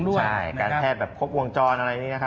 ใช่การแพทย์แบบครบวงจรอะไรอย่างนี้